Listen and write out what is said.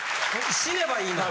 「死ねばいいのに」。